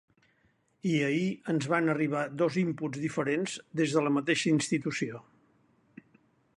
I ahir ens van arribar dos inputs diferents des de la mateixa institució.